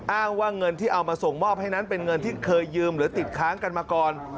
อ้างว่าเงินที่เอามาส่งมอบให้นั้นเป็นเงินที่เคยยืมหรือติดค้างกันมาก่อน